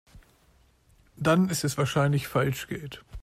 Dann ist es wahrscheinlich Falschgeld.